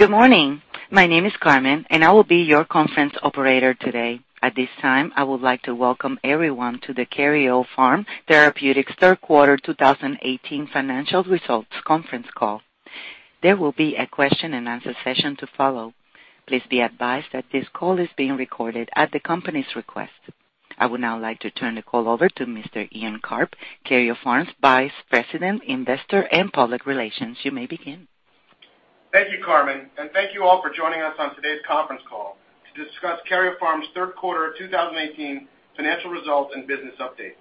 Good morning. My name is Carmen, and I will be your conference operator today. At this time, I would like to welcome everyone to the Karyopharm Therapeutics third quarter 2018 financial results conference call. There will be a question and answer session to follow. Please be advised that this call is being recorded at the company's request. I would now like to turn the call over to Mr. Ian Karp, Karyopharm's Vice President, Investor, and Public Relations. You may begin. Thank you, Carmen, and thank you all for joining us on today's conference call to discuss Karyopharm's third quarter 2018 financial results and business update.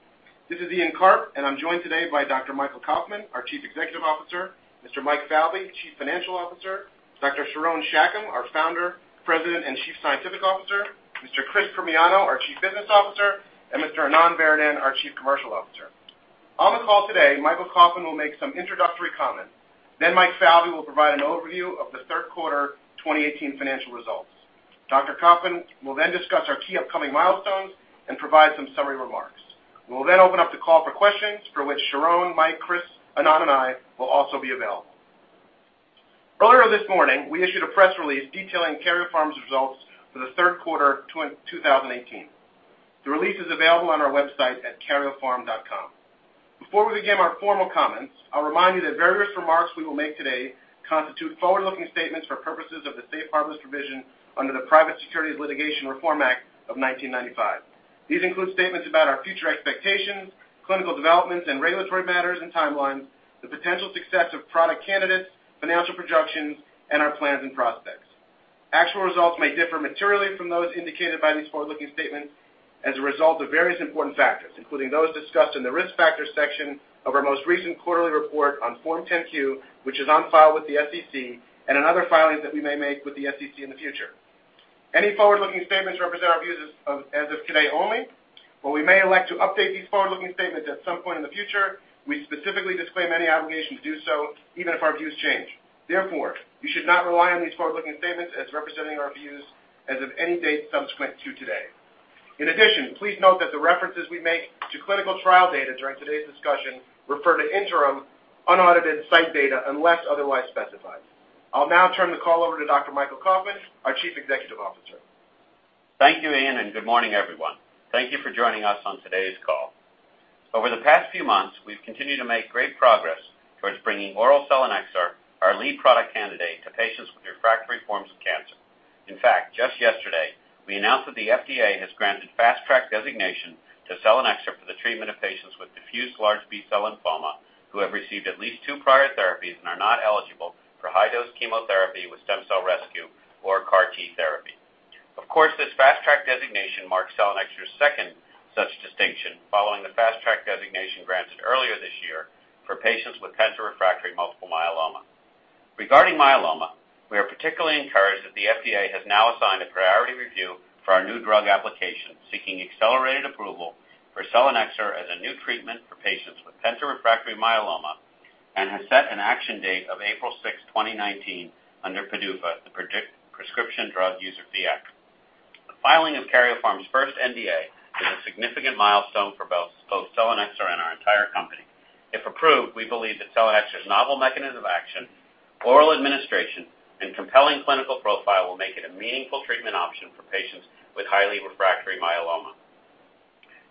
This is Ian Karp, and I'm joined today by Dr. Michael Kauffman, our Chief Executive Officer, Mr. Mike Falvey, Chief Financial Officer, Dr. Sharon Shacham, our Founder, President, and Chief Scientific Officer, Mr. Chris Primiano, our Chief Business Officer, and Mr. Anand Varadan, our Chief Commercial Officer. On the call today, Michael Kauffman will make some introductory comments. Mike Falvey will provide an overview of the third quarter 2018 financial results. Dr. Kauffman will then discuss our key upcoming milestones and provide some summary remarks. We will then open up the call for questions, for which Sharon, Mike, Chris, Anand, and I will also be available. Earlier this morning, we issued a press release detailing Karyopharm's results for the third quarter 2018. The release is available on our website at karyopharm.com. Before we begin our formal comments, I'll remind you that various remarks we will make today constitute forward-looking statements for purposes of the safe harbors provision under the Private Securities Litigation Reform Act of 1995. These include statements about our future expectations, clinical developments, and regulatory matters and timelines, the potential success of product candidates, financial projections, and our plans and prospects. Actual results may differ materially from those indicated by these forward-looking statements as a result of various important factors, including those discussed in the Risk Factors section of our most recent quarterly report on Form 10-Q, which is on file with the SEC and in other filings that we may make with the SEC in the future. Any forward-looking statements represent our views as of today only. While we may elect to update these forward-looking statements at some point in the future, we specifically disclaim any obligation to do so, even if our views change. You should not rely on these forward-looking statements as representing our views as of any date subsequent to today. Please note that the references we make to clinical trial data during today's discussion refer to interim unaudited site data unless otherwise specified. I'll now turn the call over to Dr. Michael Kauffman, our Chief Executive Officer. Thank you, Ian, and good morning, everyone. Thank you for joining us on today's call. Over the past few months, we've continued to make great progress towards bringing oral selinexor, our lead product candidate, to patients with refractory forms of cancer. In fact, just yesterday, we announced that the FDA has granted Fast Track designation to selinexor for the treatment of patients with diffuse large B-cell lymphoma who have received at least two prior therapies and are not eligible for high-dose chemotherapy with stem cell rescue or CAR T therapy. Of course, this Fast Track designation marks selinexor's second such distinction following the Fast Track designation granted earlier this year for patients with penta-refractory multiple myeloma. Regarding myeloma, we are particularly encouraged that the FDA has now assigned a priority review for our new drug application, seeking accelerated approval for selinexor as a new treatment for patients with penta-refractory myeloma, and has set an action date of April 6th, 2019, under PDUFA, the Prescription Drug User Fee Act. The filing of Karyopharm's first NDA is a significant milestone for both selinexor and our entire company. If approved, we believe that selinexor's novel mechanism of action, oral administration, and compelling clinical profile will make it a meaningful treatment option for patients with highly refractory myeloma.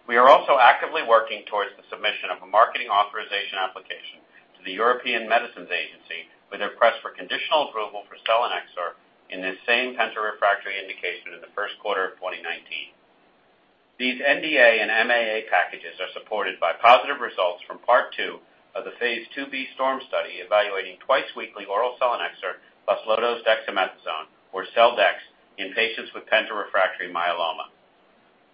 We are also actively working towards the submission of a Marketing Authorization Application to the European Medicines Agency with a request for conditional approval for selinexor in this same penta-refractory indication in the first quarter of 2019. These NDA and MAA packages are supported by positive results from part two of the phase II-B STORM study evaluating twice-weekly oral selinexor plus low-dose Dexamethasone, or Sel-Dex, in patients with penta-refractory myeloma.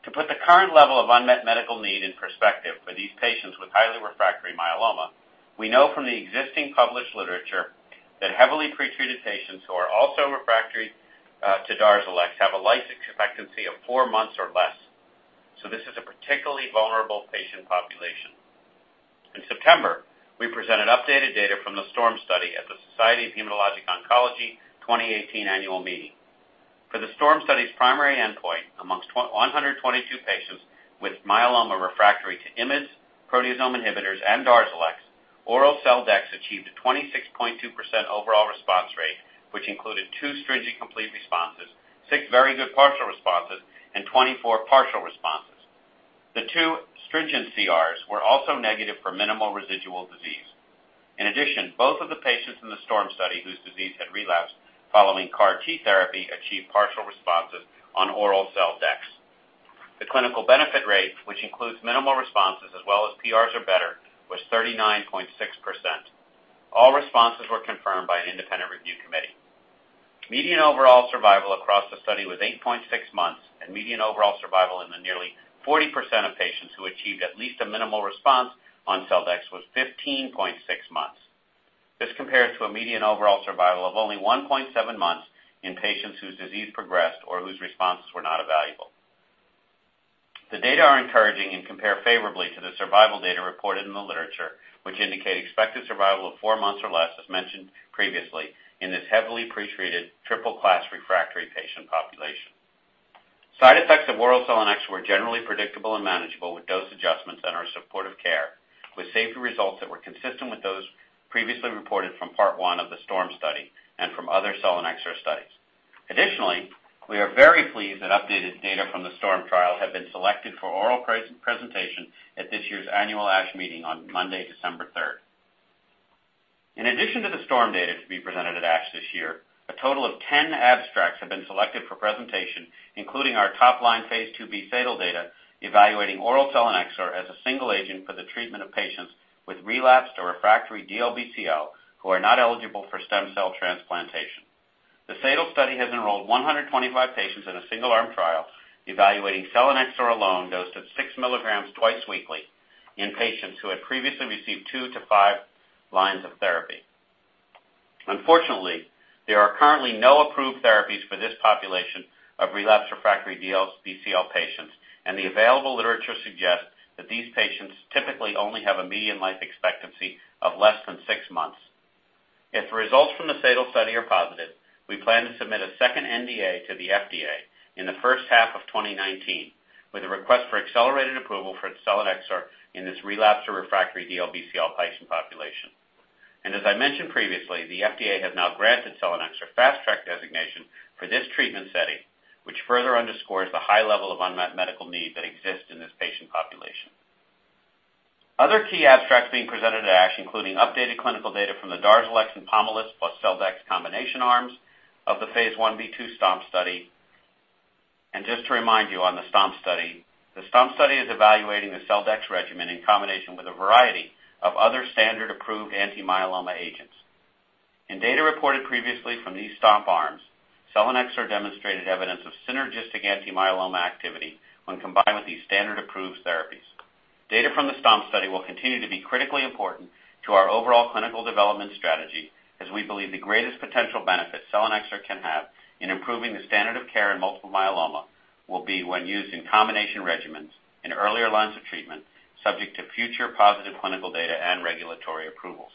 To put the current level of unmet medical need in perspective for these patients with highly refractory myeloma, we know from the existing published literature that heavily pretreated patients who are also refractory to DARZALEX have a lifespan expectancy of four months or less. This is a particularly vulnerable patient population. In September, we presented updated data from the STORM study at the Society of Hematologic Oncology 2018 annual meeting. For the STORM study's primary endpoint amongst 122 patients with myeloma refractory to IMiDs, proteasome inhibitors, and DARZALEX, oral Sel-Dex achieved a 26.2% overall response rate, which included two stringent complete responses, six very good partial responses, and 24 partial responses. The two stringent CRs were also negative for minimal residual disease. In addition, both of the patients in the STORM study whose disease had relapsed following CAR T therapy achieved partial responses on oral Sel-Dex. The clinical benefit rate, which includes minimal responses as well as PRs or better, was 39.6%. All responses were confirmed by an independent review committee. Median overall survival across the study was eight point six months, and median overall survival in the nearly 40% of patients who achieved at least a minimal response on Sel-Dex was 15.6 months. This compares to a median overall survival of only one point seven months in patients whose disease progressed or whose responses were not evaluable. The data are encouraging and compare favorably to the survival data reported in the literature, which indicate expected survival of four months or less, as mentioned previously, in this heavily pretreated triple class refractory patient population. Side effects of oral selinexor were generally predictable and manageable with dose adjustments and our supportive care, with safety results that were consistent with those previously reported from Part 1 of the STORM study and from other selinexor studies. Additionally, we are very pleased that updated data from the STORM trial have been selected for oral presentation at this year's annual ASH Meeting on Monday, December 3rd. In addition to the STORM data to be presented at ASH this year, a total of 10 abstracts have been selected for presentation, including our top-line phase II-B SADAL data evaluating oral selinexor as a single agent for the treatment of patients with relapsed or refractory DLBCL who are not eligible for stem cell transplantation. The SADAL study has enrolled 125 patients in a single-arm trial evaluating selinexor alone, dosed at six milligrams twice weekly, in patients who had previously received two to five lines of therapy. Unfortunately, there are currently no approved therapies for this population of relapse refractory DLBCL patients, and the available literature suggests that these patients typically only have a median life expectancy of less than six months. If the results from the SADAL study are positive, we plan to submit a second NDA to the FDA in the first half of 2019, with a request for accelerated approval for selinexor in this relapsed or refractory DLBCL patient population. As I mentioned previously, the FDA has now granted selinexor Fast Track designation for this treatment setting, which further underscores the high level of unmet medical need that exists in this patient population. Other key abstracts being presented at ASH, including updated clinical data from the DARZALEX and POMALYST plus Sel-Dex combination arms of the phase I-B/II STOMP study. Just to remind you on the STOMP study, the STOMP study is evaluating the Sel-Dex regimen in combination with a variety of other standard approved anti-myeloma agents. In data reported previously from these STOMP arms, selinexor demonstrated evidence of synergistic anti-myeloma activity when combined with these standard approved therapies. Data from the STOMP study will continue to be critically important to our overall clinical development strategy, as we believe the greatest potential benefit selinexor can have in improving the standard of care in multiple myeloma will be when used in combination regimens in earlier lines of treatment, subject to future positive clinical data and regulatory approvals.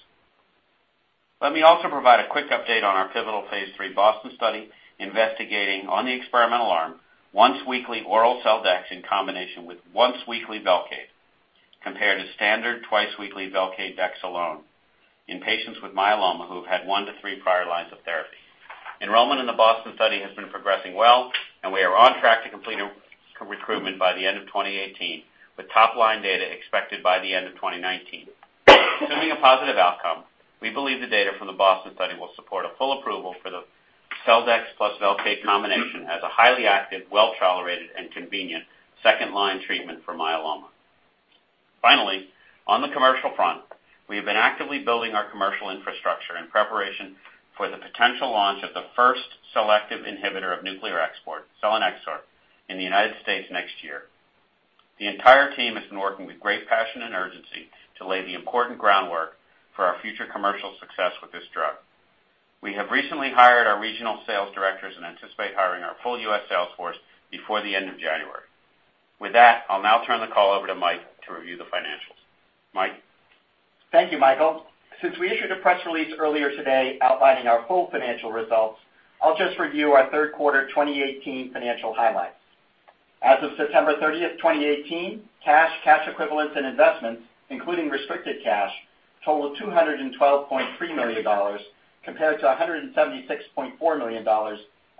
Let me also provide a quick update on our pivotal phase III BOSTON study investigating on the experimental arm, once-weekly oral Sel-Dex in combination with once-weekly VELCADE, compared to standard twice-weekly VELCADE dex alone in patients with myeloma who have had one to three prior lines of therapy. Enrollment in the BOSTON Study has been progressing well, we are on track to complete recruitment by the end of 2018, with top-line data expected by the end of 2019. Assuming a positive outcome, we believe the data from the BOSTON Study will support a full approval for the Sel-Dex plus VELCADE combination as a highly active, well-tolerated, and convenient second-line treatment for myeloma. Finally, on the commercial front, we have been actively building our commercial infrastructure in preparation for the potential launch of the first selective inhibitor of nuclear export, selinexor, in the U.S. next year. The entire team has been working with great passion and urgency to lay the important groundwork for our future commercial success with this drug. We have recently hired our regional sales directors and anticipate hiring our full U.S. sales force before the end of January. With that, I'll now turn the call over to Mike to review the financials. Mike? Thank you, Michael. We issued a press release earlier today outlining our full financial results, I'll just review our third quarter 2018 financial highlights. As of September 30, 2018, cash equivalents and investments, including restricted cash, totaled $212.3 million compared to $176.4 million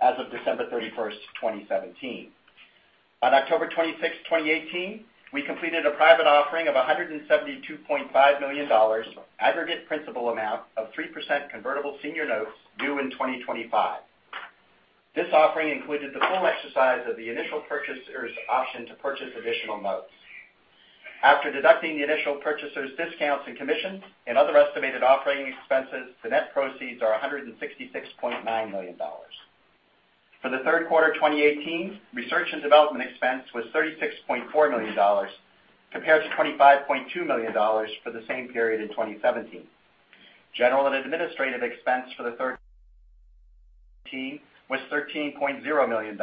as of December 31, 2017. On October 26, 2018, we completed a private offering of $172.5 million aggregate principal amount of 3% convertible senior notes due in 2025. This offering included the full exercise of the initial purchaser's option to purchase additional notes. After deducting the initial purchaser's discounts and commissions, other estimated offering expenses, the net proceeds are $166.9 million. For the third quarter 2018, research and development expense was $36.4 million compared to $25.2 million for the same period in 2017. General and administrative expense for the third was $13.0 million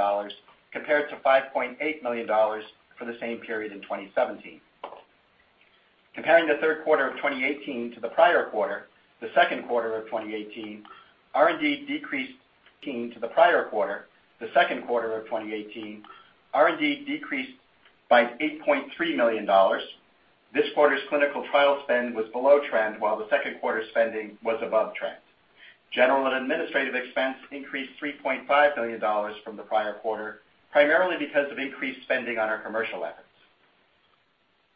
compared to $5.8 million for the same period in 2017. Comparing the third quarter of 2018 to the prior quarter, the second quarter of 2018, R&D decreased to the prior quarter. The second quarter of 2018, R&D decreased by $8.3 million. This quarter's clinical trial spend was below trend, while the second quarter spending was above trend. General and administrative expense increased $3.5 million from the prior quarter, primarily because of increased spending on our commercial efforts.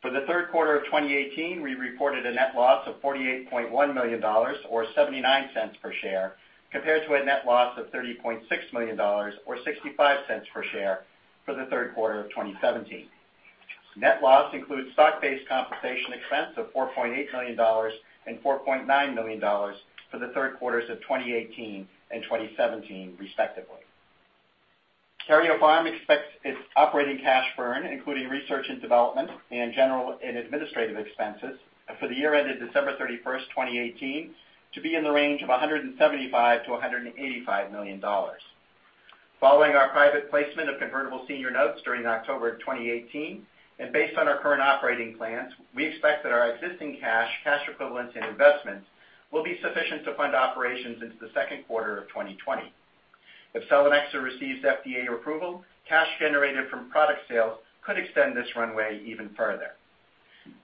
For the third quarter of 2018, we reported a net loss of $48.1 million, or $0.79 per share, compared to a net loss of $30.6 million, or $0.65 per share for the third quarter of 2017. Net loss includes stock-based compensation expense of $4.8 million and $4.9 million for the third quarters of 2018 and 2017, respectively. Karyopharm expects its operating cash burn, including research and development and general and administrative expenses for the year ended December 31st, 2018 to be in the range of $175 million to $185 million. Following our private placement of convertible senior notes during October 2018, based on our current operating plans, we expect that our existing cash equivalents and investments will be sufficient to fund operations into the second quarter of 2020. If selinexor receives FDA approval, cash generated from product sales could extend this runway even further.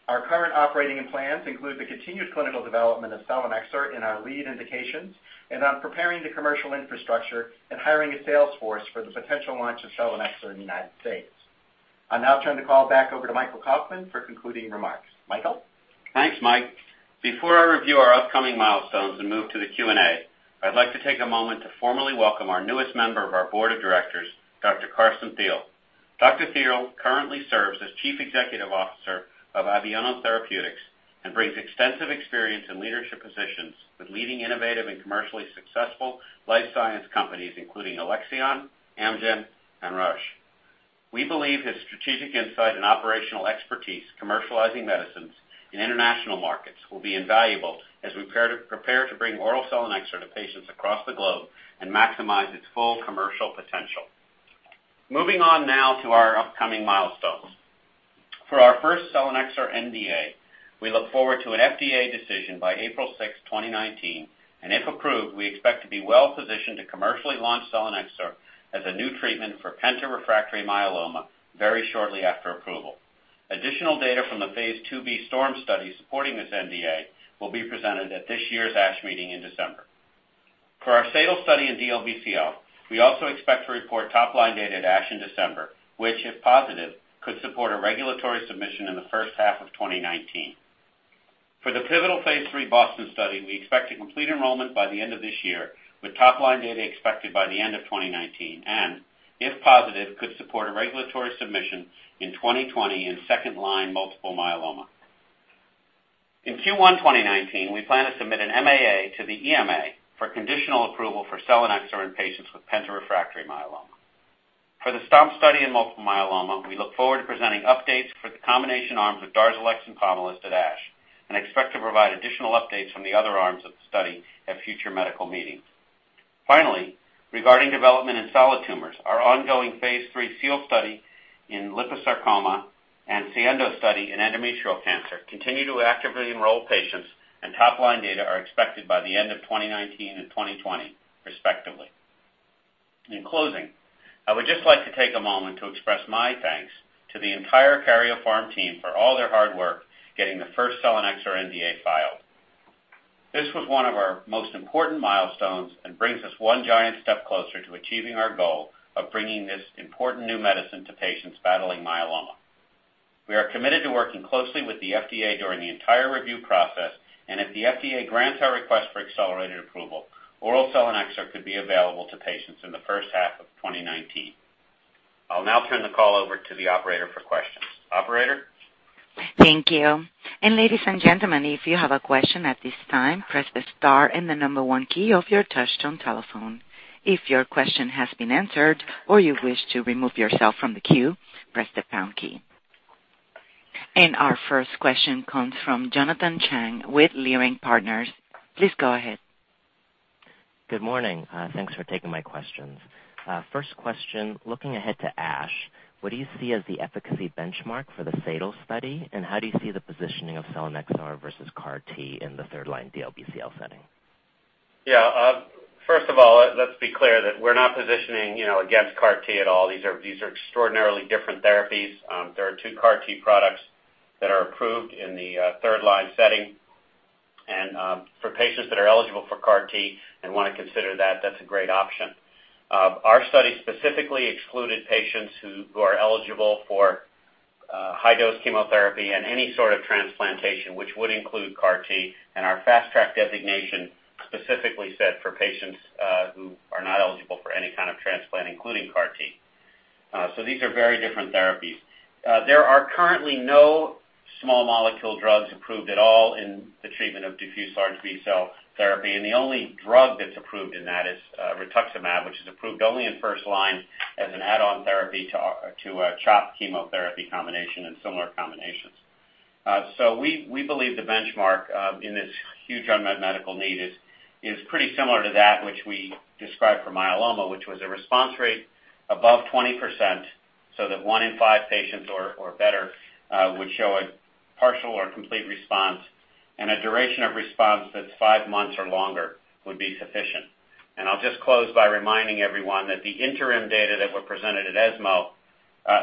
Our current operating plans include the continued clinical development of selinexor in our lead indications and on preparing the commercial infrastructure and hiring a sales force for the potential launch of selinexor in the United States. I'll now turn the call back over to Michael Kauffman for concluding remarks. Michael? Thanks, Mike. Before I review our upcoming milestones and move to the Q&A, I'd like to take a moment to formally welcome our newest member of our board of directors, Dr. Carsten Thiel. Dr. Thiel currently serves as chief executive officer of Abeona Therapeutics and brings extensive experience in leadership positions with leading innovative and commercially successful life science companies including Alexion, Amgen, and Roche. We believe his strategic insight and operational expertise commercializing medicines in international markets will be invaluable as we prepare to bring oral selinexor to patients across the globe and maximize its full commercial potential. Moving on now to our upcoming milestones. For our first selinexor NDA, we look forward to an FDA decision by April 6th, 2019. If approved, we expect to be well positioned to commercially launch selinexor as a new treatment for penta-refractory myeloma very shortly after approval. Additional data from the phase II-B STORM study supporting this NDA will be presented at this year's ASH meeting in December. For our SADAL study in DLBCL, we also expect to report top-line data at ASH in December, which, if positive, could support a regulatory submission in the first half of 2019. For the pivotal phase III BOSTON study, we expect to complete enrollment by the end of this year, with top-line data expected by the end of 2019. If positive, could support a regulatory submission in 2020 in second-line multiple myeloma. In Q1 2019, we plan to submit an MAA to the EMA for conditional approval for selinexor in patients with penta-refractory myeloma. For the STOMP study in multiple myeloma, we look forward to presenting updates for the combination arms of DARZALEX and POMALYST at ASH. We expect to provide additional updates from the other arms of the study at future medical meetings. Finally, regarding development in solid tumors, our ongoing phase III SEAL study in liposarcoma and SIENDO study in endometrial cancer continue to actively enroll patients. Top-line data are expected by the end of 2019 and 2020, respectively. In closing, I would just like to take a moment to express my thanks to the entire Karyopharm team for all their hard work getting the first selinexor NDA filed. This was one of our most important milestones and brings us one giant step closer to achieving our goal of bringing this important new medicine to patients battling myeloma. We are committed to working closely with the FDA during the entire review process. If the FDA grants our request for accelerated approval, oral selinexor could be available to patients in the first half of 2019. I'll now turn the call over to the operator for questions. Operator? Thank you. Ladies and gentlemen, if you have a question at this time, press the star and the number 1 key of your touchtone telephone. If your question has been answered, or you wish to remove yourself from the queue, press the pound key. Our first question comes from Jonathan Chang with Leerink Partners. Please go ahead. Good morning. Thanks for taking my questions. First question, looking ahead to ASH, what do you see as the efficacy benchmark for the SADAL study, and how do you see the positioning of selinexor versus CAR T in the third-line DLBCL setting? Yeah. First of all, let's be clear that we're not positioning against CAR T at all. These are extraordinarily different therapies. There are two CAR T products that are approved in the third-line setting. For patients that are eligible for CAR T and want to consider that's a great option. Our study specifically excluded patients who are eligible for high-dose chemotherapy and any sort of transplantation, which would include CAR T. Our Fast Track designation specifically said for patients who are not eligible for any kind of transplant, including CAR T. These are very different therapies. There are currently no small molecule drugs approved at all in the treatment of diffuse large B-cell lymphoma. The only drug that's approved in that is rituximab, which is approved only in first line as an add-on therapy to a CHOP chemotherapy combination and similar combinations. We believe the benchmark in this huge unmet medical need is pretty similar to that which we described for myeloma, which was a response rate above 20%, so that one in five patients or better would show a partial or complete response and a duration of response that's five months or longer would be sufficient. I'll just close by reminding everyone that the interim data that were presented at ESMO.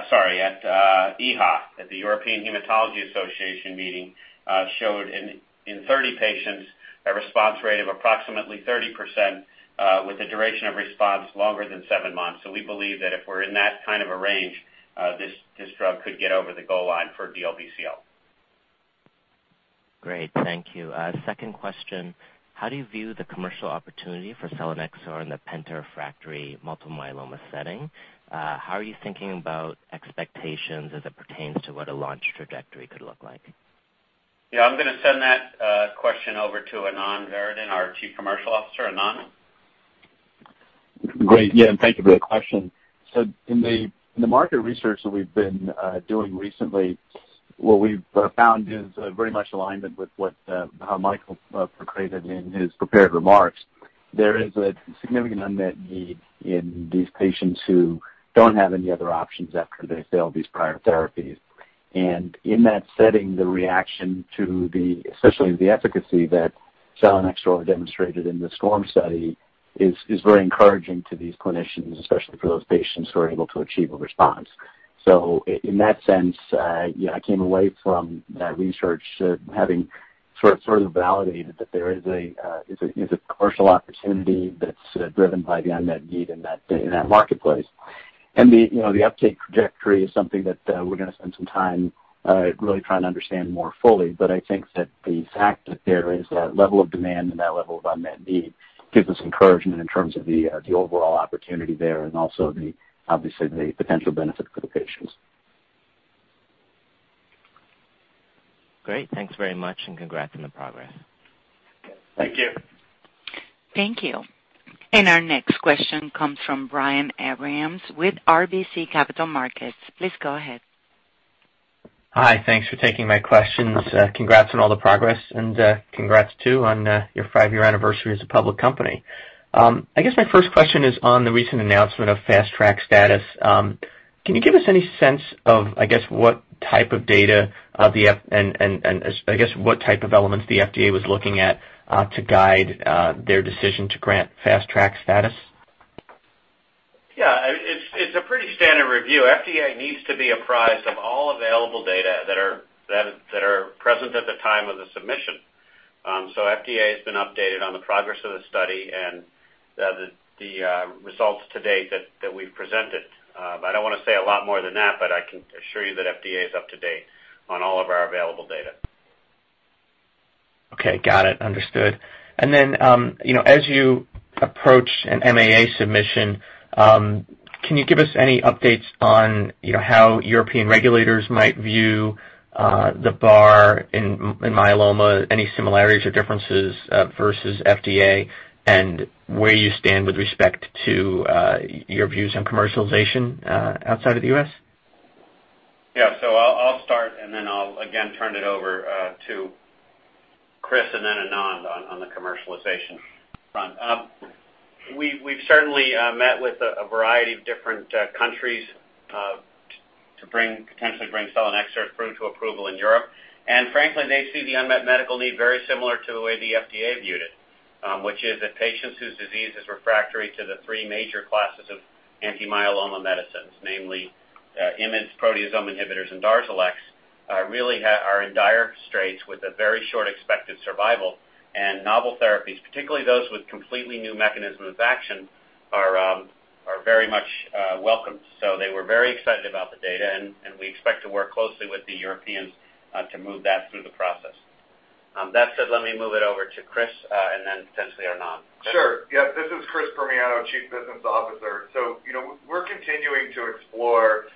Sorry, at EHA, at the European Hematology Association meeting, showed in 30 patients, a response rate of approximately 30% with a duration of response longer than seven months. We believe that if we're in that kind of a range, this drug could get over the goal line for DLBCL. Great. Thank you. Second question, how do you view the commercial opportunity for selinexor in the penta-refractory multiple myeloma setting? How are you thinking about expectations as it pertains to what a launch trajectory could look like? I'm going to send that question over to Anand Varadan, our Chief Commercial Officer. Anand? Great. Thank you for the question. In the market research that we've been doing recently, what we've found is very much alignment with how Michael portrayed it in his prepared remarks. There is a significant unmet need in these patients who don't have any other options after they fail these prior therapies. In that setting, the reaction to the, especially the efficacy that selinexor demonstrated in the STORM study, is very encouraging to these clinicians, especially for those patients who are able to achieve a response. In that sense, I came away from that research having sort of validated that there is a commercial opportunity that's driven by the unmet need in that marketplace. The uptake trajectory is something that we're going to spend some time really trying to understand more fully. I think that the fact that there is that level of demand and that level of unmet need gives us encouragement in terms of the overall opportunity there and also obviously the potential benefit for the patients. Great. Thanks very much and congrats on the progress. Thank you. Thank you. Our next question comes from Brian Abrahams with RBC Capital Markets. Please go ahead. Hi. Thanks for taking my questions. Congrats on all the progress and congrats too on your five-year anniversary as a public company. I guess my first question is on the recent announcement of Fast Track status. Can you give us any sense of, I guess, what type of data and elements the FDA was looking at to guide their decision to grant Fast Track status? Yeah. It's a pretty standard review. FDA needs to be apprised of all available data that are present at the time of the submission. FDA has been updated on the progress of the study and the results to date that we've presented. I don't want to say a lot more than that, but I can assure you that FDA is up to date on all of our available data. Okay. Got it. Understood. As you approach an MAA submission, can you give us any updates on how European regulators might view the bar in myeloma, any similarities or differences versus FDA, and where you stand with respect to your views on commercialization outside of the U.S.? Yeah. I'll start, and then I'll again turn it over to Chris and then Anand on the commercialization front. We've certainly met with a variety of different countries to potentially bring selinexor through to approval in Europe. Frankly, they see the unmet medical need very similar to the way the FDA viewed it, which is that patients whose disease is refractory to the three major classes of anti-myeloma medicines, namely IMiDs, proteasome inhibitors, and DARZALEX, really are in dire straits with a very short expected survival, and novel therapies, particularly those with completely new mechanisms action are very much welcomed. They were very excited about the data, and we expect to work closely with the Europeans to move that through the process. That said, let me move it over to Chris, and then potentially Anand. Sure. Yeah. This is Chris Primiano, Chief Business Officer. We're continuing to explore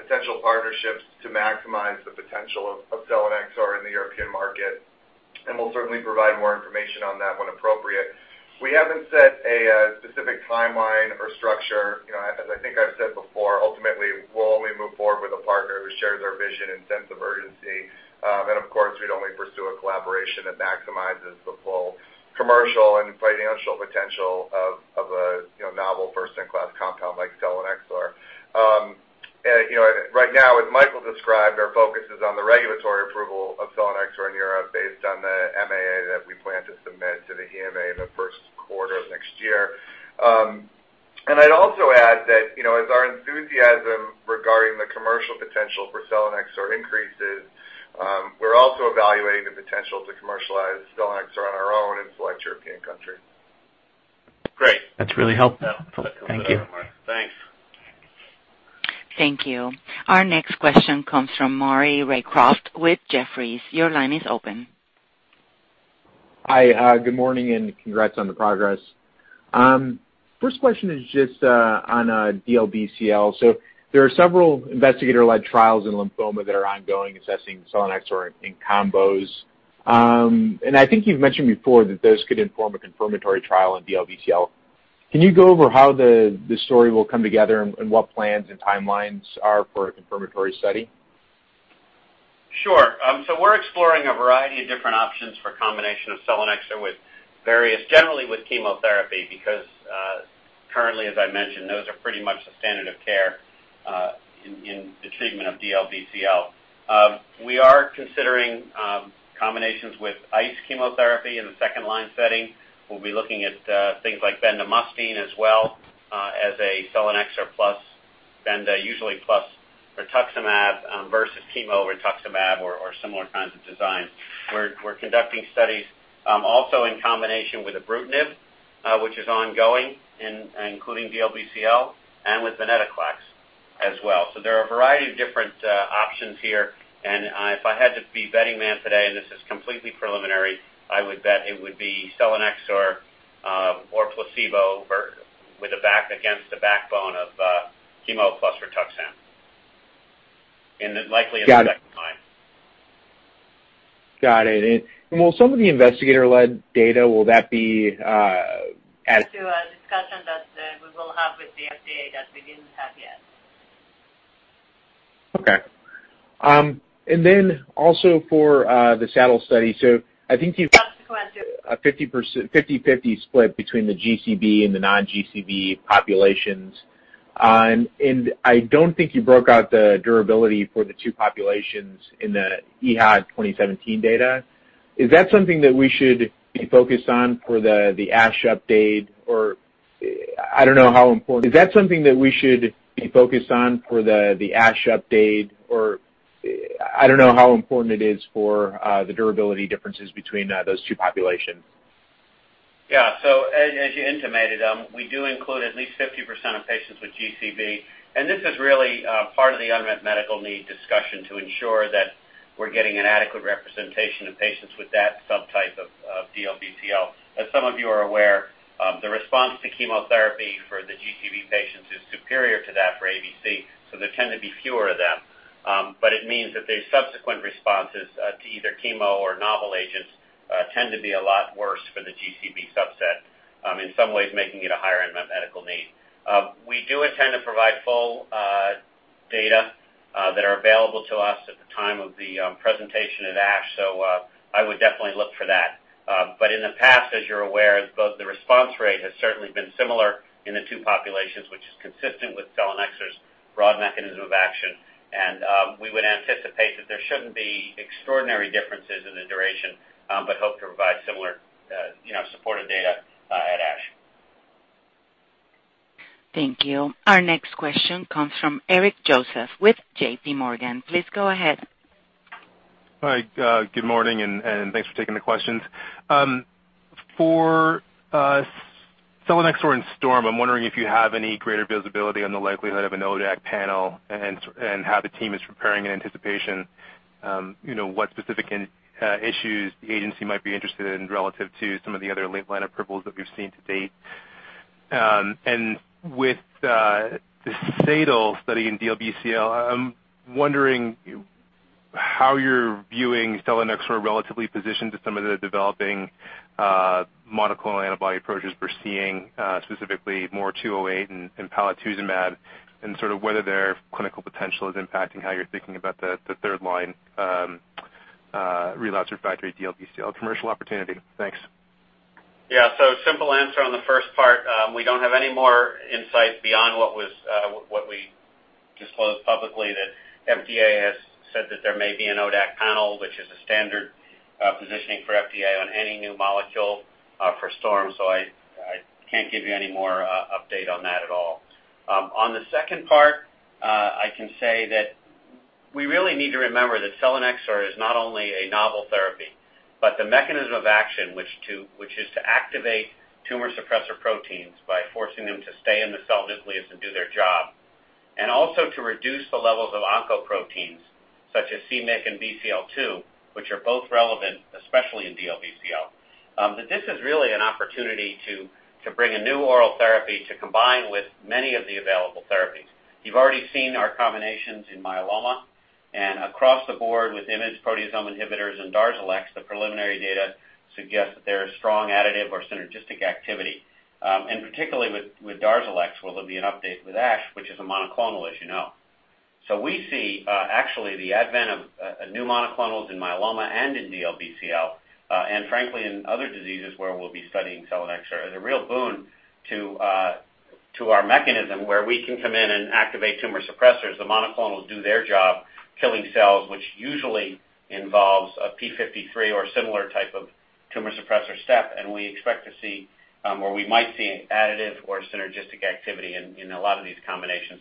potential partnerships to maximize the potential of selinexor in the European market, and we'll certainly provide more information on that when appropriate. We haven't set a specific timeline or structure. As I think I've said before, ultimately, we'll only move forward with a partner who shares our vision and sense of urgency. Of course, we'd only pursue a collaboration that maximizes the full commercial and financial potential of a novel first-in-class compound like selinexor. Right now, as Michael described, our focus is on the regulatory approval of selinexor in Europe based on the MAA that we plan to submit to the EMA in the first quarter of next year. I'd also add that as our enthusiasm regarding the commercial potential for selinexor increases, we're also evaluating the potential to commercialize selinexor on our own in select European countries. Great. That's really helpful. Thank you. Thanks. Thank you. Our next question comes from Maury Raycroft with Jefferies. Your line is open. Hi. Good morning, and congrats on the progress. First question is just on DLBCL. There are several investigator-led trials in lymphoma that are ongoing assessing selinexor in combos. I think you've mentioned before that those could inform a confirmatory trial in DLBCL. Can you go over how the story will come together and what plans and timelines are for a confirmatory study? Sure. We're exploring a variety of different options for combination of selinexor with various, generally with chemotherapy, because currently as I mentioned, those are pretty much the standard of care in the treatment of DLBCL. We are considering combinations with ICE chemotherapy in the second-line setting. We'll be looking at things like bendamustine as well as a selinexor plus benda, usually plus rituximab versus chemo rituximab or similar kinds of designs. We're conducting studies also in combination with ibrutinib, which is ongoing including DLBCL, and with venetoclax as well. There are a variety of different options here, and if I had to be betting man today, and this is completely preliminary, I would bet it would be selinexor or placebo against the backbone of chemo plus rituximab in the likeliest second line. Got it. Will some of the investigator-led data, will that be? It will be to a discussion that we will have with the FDA that we didn't have yet. Okay. Also for the SADAL study. I think you've got a 50/50 split between the GCB and the non-GCB populations. I don't think you broke out the durability for the two populations in the EHA 2017 data. Is that something that we should be focused on for the ASH update, I don't know how important it is for the durability differences between those two populations? Yeah. As you intimated, we do include at least 50% of patients with GCB, and this is really part of the unmet medical need discussion to ensure that we're getting an adequate representation of patients with that subtype of DLBCL. As some of you are aware, the response to chemotherapy for the GCB patients is superior to that for ABC, there tend to be fewer of them. It means that their subsequent responses to either chemo or novel agents tend to be a lot worse for the GCB subset, in some ways making it a higher unmet medical need. We do intend to provide full data that are available to us at the time of the presentation at ASH, I would definitely look for that. In the past, as you're aware, both the response rate has certainly been similar in the two populations, which is consistent with selinexor's broad mechanism of action. We would anticipate that there shouldn't be extraordinary differences in the duration, hope to provide similar supported data at ASH. Thank you. Our next question comes from Eric Joseph with JPMorgan. Please go ahead. Hi, good morning, and thanks for taking the questions. For selinexor and STORM, I'm wondering if you have any greater visibility on the likelihood of an ODAC panel and how the team is preparing in anticipation. What specific issues the agency might be interested in relative to some of the other late-line approvals that we've seen to date. With the SADAL study in DLBCL, I'm wondering how you're viewing selinexor relatively positioned to some of the developing monoclonal antibody approaches we're seeing, specifically MOR208 and polatuzumab, and sort of whether their clinical potential is impacting how you're thinking about the third-line relapsed refractory DLBCL commercial opportunity. Thanks. Yeah. Simple answer on the first part. We don't have any more insight beyond what we disclosed publicly, that FDA has said that there may be an ODAC panel, which is a standard positioning for FDA on any new molecule for STORM. I can't give you any more update on that at all. On the second part, I can say that we really need to remember that selinexor is not only a novel therapy, but the mechanism of action, which is to activate tumor suppressor proteins by forcing them to stay in the cell nucleus and do their job. Also to reduce the levels of oncoproteins such as c-Myc and BCL-2, which are both relevant, especially in DLBCL. That this is really an opportunity to bring a new oral therapy to combine with many of the available therapies. You've already seen our combinations in myeloma and across the board with IMiDs, proteasome inhibitors, and DARZALEX, the preliminary data suggests that there is strong additive or synergistic activity. Particularly with DARZALEX, where there'll be an update with ASH, which is a monoclonal, as you know. We see actually the advent of new monoclonals in myeloma and in DLBCL, and frankly, in other diseases where we'll be studying selinexor, as a real boon to our mechanism, where we can come in and activate tumor suppressors. The monoclonals do their job, killing cells, which usually involves a P53 or similar type of tumor suppressor step. We expect to see, or we might see an additive or synergistic activity in a lot of these combinations.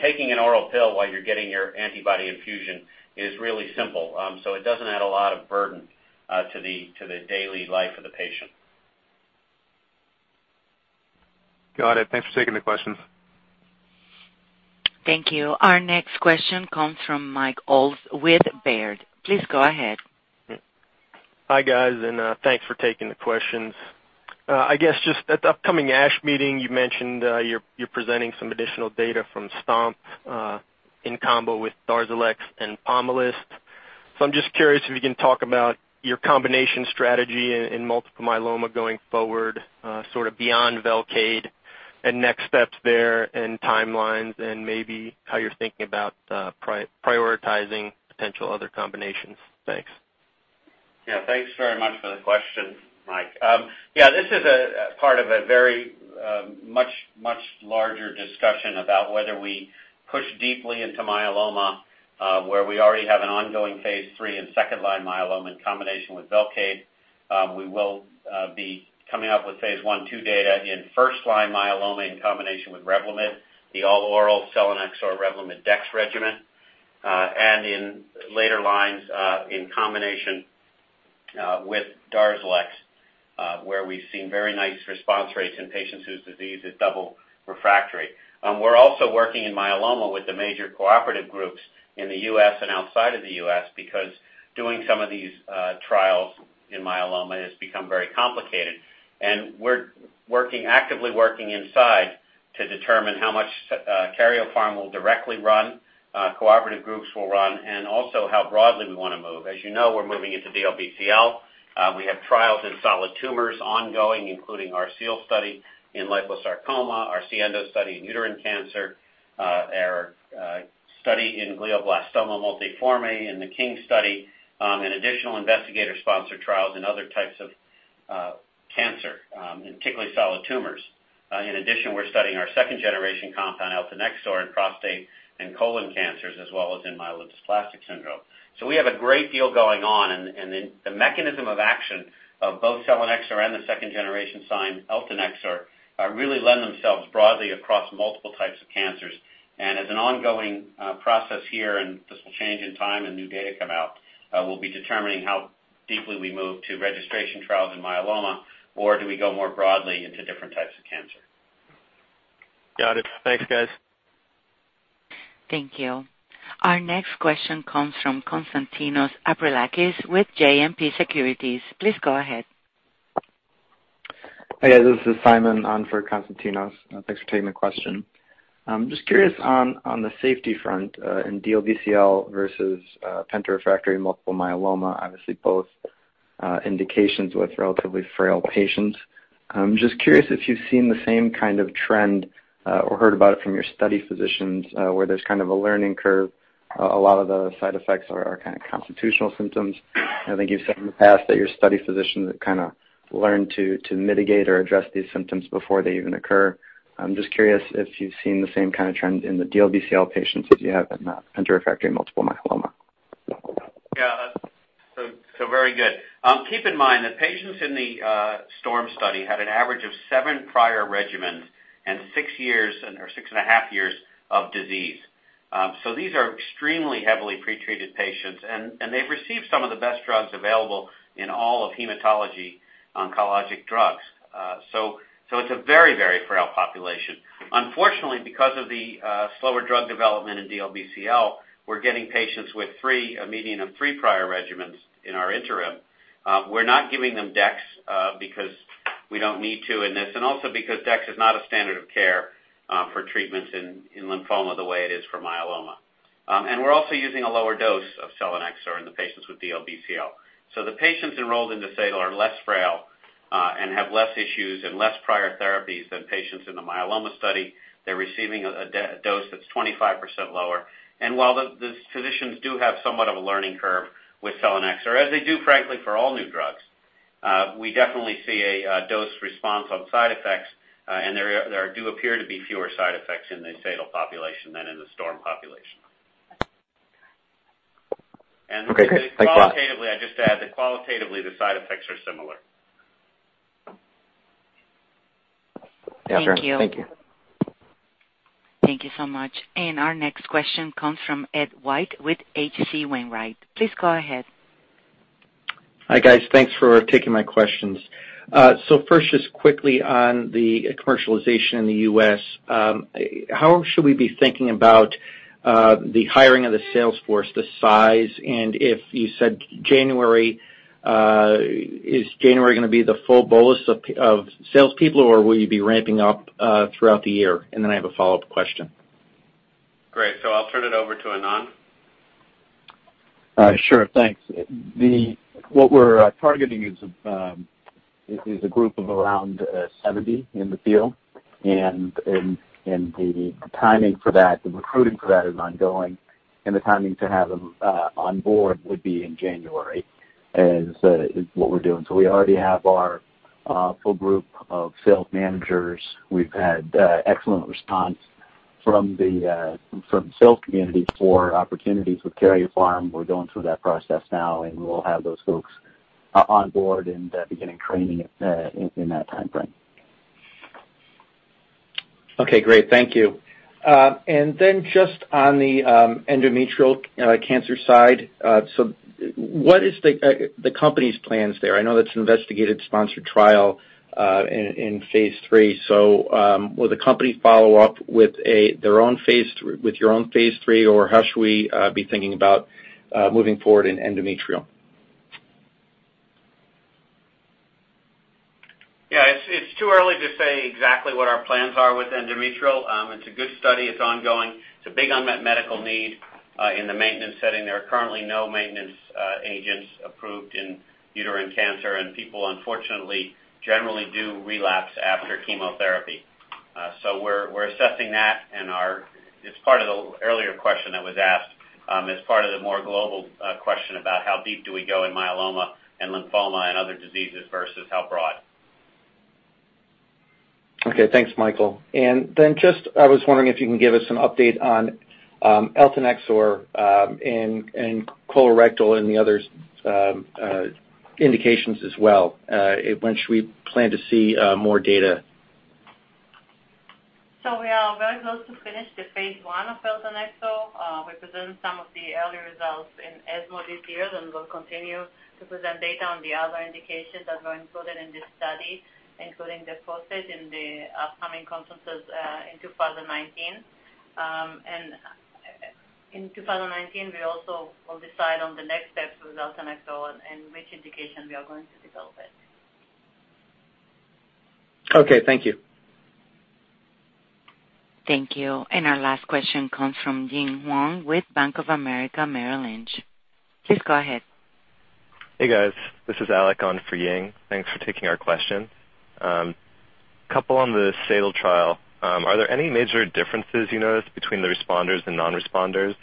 Taking an oral pill while you're getting your antibody infusion is really simple, so it doesn't add a lot of burden to the daily life of the patient. Got it. Thanks for taking the questions. Thank you. Our next question comes from Michael Ulz with Baird. Please go ahead. Hi, guys. Thanks for taking the questions. I guess just at the upcoming ASH meeting, you mentioned you're presenting some additional data from STOMP in combo with DARZALEX and POMALYST. I'm just curious if you can talk about your combination strategy in multiple myeloma going forward, sort of beyond VELCADE and next steps there and timelines and maybe how you're thinking about prioritizing potential other combinations. Thanks. Thanks very much for the question, Mike. This is a part of a very much larger discussion about whether we push deeply into myeloma, where we already have an ongoing phase III and second-line myeloma in combination with VELCADE. We will be coming up with phase I/II data in first-line myeloma in combination with REVLIMID, the all-oral Selinexor REVLIMID dex regimen, and in later lines, in combination with DARZALEX, where we've seen very nice response rates in patients whose disease is double refractory. We're also working in myeloma with the major cooperative groups in the U.S. and outside of the U.S. because doing some of these trials in myeloma has become very complicated. We're actively working inside to determine how much Karyopharm will directly run, cooperative groups will run, and also how broadly we want to move. As you know, we're moving into DLBCL. We have trials in solid tumors ongoing, including our SEAL study in liposarcoma, our SIENDO study in endometrial cancer, our study in glioblastoma multiforme in the KING study, and additional investigator-sponsored trials in other types of cancer, in particular solid tumors. In addition, we're studying our second-generation compound, eltanexor, in prostate and colon cancers, as well as in myelodysplastic syndrome. We have a great deal going on, and the mechanism of action of both selinexor and the second generation SINE, eltanexor, really lend themselves broadly across multiple types of cancers. As an ongoing process here, and this will change in time and new data come out, we'll be determining how deeply we move to registration trials in myeloma, or do we go more broadly into different types of cancer? Got it. Thanks, guys. Thank you. Our next question comes from Konstantinos Aprilakis with JMP Securities. Please go ahead. Hi, guys. This is Simon on for Konstantinos. Thanks for taking the question. Just curious on the safety front in DLBCL versus penta-refractory multiple myeloma, obviously both indications with relatively frail patients. Just curious if you've seen the same kind of trend or heard about it from your study physicians where there's kind of a learning curve, a lot of the side effects are kind of constitutional symptoms. I think you've said in the past that your study physicians kind of learn to mitigate or address these symptoms before they even occur. I'm just curious if you've seen the same kind of trend in the DLBCL patients as you have in penta-refractory multiple myeloma. Yeah. Very good. Keep in mind that patients in the STORM study had an average of 7 prior regimens and 6 and a half years of disease. These are extremely heavily pretreated patients, and they've received some of the best drugs available in all of hematology-oncologic drugs. It's a very frail population. Unfortunately, because of the slower drug development in DLBCL, we're getting patients with a median of three prior regimens in our interim. We're not giving them dex because we don't need to in this, and also because dex is not a standard of care for treatments in lymphoma the way it is for myeloma. We're also using a lower dose of selinexor in the patients with DLBCL. The patients enrolled in the SADAL are less frail and have less issues and less prior therapies than patients in the myeloma study. They're receiving a dose that's 25% lower. While the physicians do have somewhat of a learning curve with selinexor, as they do, frankly, for all new drugs, we definitely see a dose response on side effects, and there do appear to be fewer side effects in the SADAL population than in the STORM population. Okay, great. Thanks a lot. Qualitatively, I'll just add that qualitatively, the side effects are similar. Yeah, sure. Thank you. Thank you. Thank you so much. Our next question comes from Ed White with H.C. Wainwright. Please go ahead. Hi, guys. Thanks for taking my questions. First, just quickly on the commercialization in the U.S., how should we be thinking about the hiring of the sales force, the size, and if you said January, is January going to be the full bolus of salespeople, or will you be ramping up throughout the year? Then I have a follow-up question. Great. I'll turn it over to Anand. Sure. Thanks. What we're targeting is a group of around 70 in the field, the timing for that, the recruiting for that is ongoing, the timing to have them on board would be in January, is what we're doing. We already have our full group of sales managers. We've had excellent response from the sales community for opportunities with Karyopharm. We're going through that process now, we will have those folks on board and beginning training in that timeframe. Okay, great. Thank you. Just on the endometrial cancer side, what is the company's plans there? I know that's an investigated sponsored trial in phase III, will the company follow up with your own phase III, or how should we be thinking about moving forward in endometrial? It's too early to say exactly what our plans are with endometrial. It's a good study. It's ongoing. It's a big unmet medical need in the maintenance setting. There are currently no maintenance agents approved in uterine cancer, and people, unfortunately, generally do relapse after chemotherapy. We're assessing that and it's part of the earlier question that was asked, as part of the more global question about how deep do we go in myeloma and lymphoma and other diseases versus how broad. Okay, thanks, Michael. Just, I was wondering if you can give us some update on eltanexor in colorectal and the other indications as well. When should we plan to see more data? We are very close to finish the phase I of eltanexor. We present some of the early results in ESMO this year, we'll continue to present data on the other indications that were included in this study, including the process in the upcoming conferences in 2019. In 2019, we also will decide on the next steps with eltanexor and which indication we are going to develop it. Okay, thank you. Thank you. Our last question comes from Ying Huang with Bank of America Merrill Lynch. Please go ahead. Hey, guys. This is Alec on for Ying. Thanks for taking our question. A couple on the SADAL trial. Are there any major differences you noticed between the responders and non-responders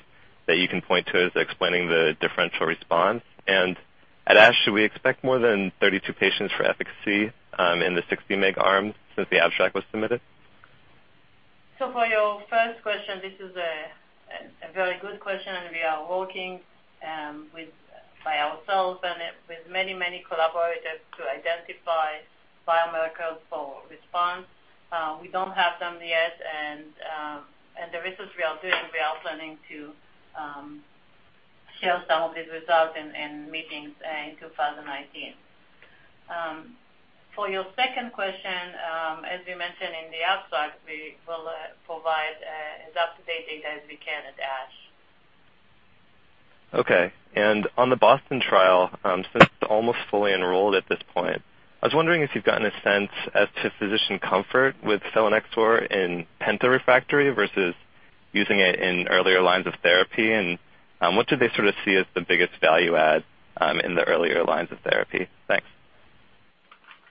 that you can point to as explaining the differential response? At ASH, should we expect more than 32 patients for efficacy in the 60 mg arm since the abstract was submitted? For your first question, this is a very good question, and we are working by ourselves and with many collaborators to identify biomarkers for response. We don't have them yet, and the research we are doing, we are planning to share some of these results in meetings in 2019. For your second question, as we mentioned in the abstract, we will provide as up-to-date data as we can at ASH. On the BOSTON trial, since it's almost fully enrolled at this point, I was wondering if you've gotten a sense as to physician comfort with selinexor in penta-refractory versus using it in earlier lines of therapy, and what do they sort of see as the biggest value add in the earlier lines of therapy? Thanks.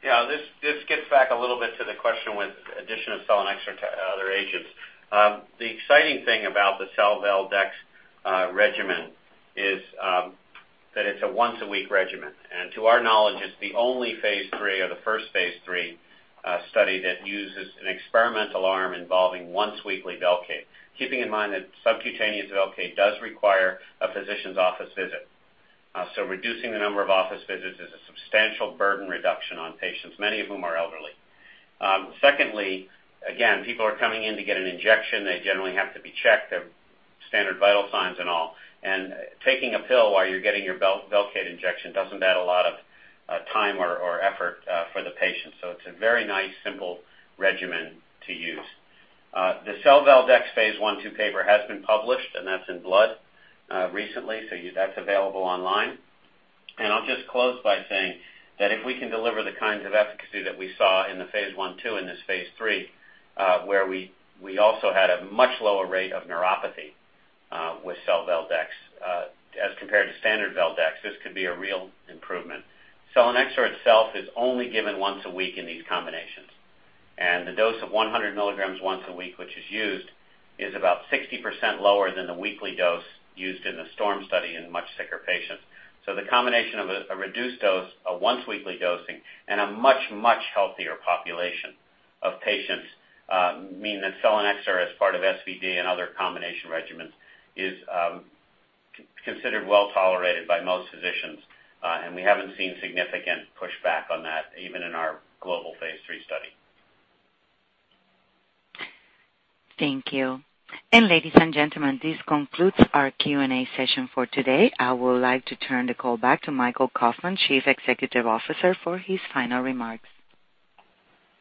Yeah. This gets back a little bit to the question with addition of selinexor to other agents. The exciting thing about the sel-VELCADE-dex regimen is that it's a once-a-week regimen, to our knowledge, it's the only phase III or the first phase III study that uses an experimental arm involving once-weekly VELCADE. Keeping in mind that subcutaneous VELCADE does require a physician's office visit. Reducing the number of office visits is a substantial burden reduction on patients, many of whom are elderly. Secondly, again, people are coming in to get an injection. They generally have to be checked, their standard vital signs and all, and taking a pill while you're getting your VELCADE injection doesn't add a lot of time or effort for the patient. It's a very nice, simple regimen to use. The sel-VELCADE-dex phase I/II paper has been published, that's in Blood recently, so that's available online. I'll just close by saying that if we can deliver the kinds of efficacy that we saw in the phase I/II and this phase III, where we also had a much lower rate of neuropathy with sel-VELCADE-dex as compared to standard VELCADE-dex, this could be a real improvement. Selinexor itself is only given once a week in these combinations, the dose of 100 milligrams once a week, which is used, is about 60% lower than the weekly dose used in the STORM study in much sicker patients. The combination of a reduced dose, a once-weekly dosing, and a much healthier population of patients mean that selinexor as part of SVd and other combination regimens is considered well-tolerated by most physicians. We haven't seen significant pushback on that even in our global phase III study. Thank you. Ladies and gentlemen, this concludes our Q&A session for today. I would like to turn the call back to Michael Kauffman, Chief Executive Officer, for his final remarks.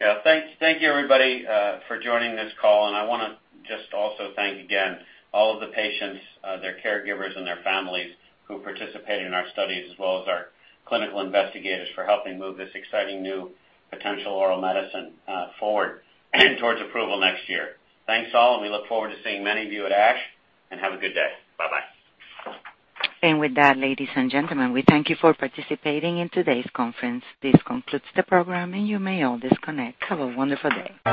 Yeah. Thank you, everybody, for joining this call. I want to just also thank again all of the patients, their caregivers, and their families who participated in our studies as well as our clinical investigators for helping move this exciting new potential oral medicine forward towards approval next year. Thanks all. We look forward to seeing many of you at ASH. Have a good day. Bye-bye. With that, ladies and gentlemen, we thank you for participating in today's conference. This concludes the program. You may all disconnect. Have a wonderful day.